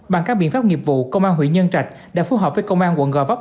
bằng các biện pháp nghiệp vụ công an huyện nhân trạch đã phù hợp với công an quận gò vấp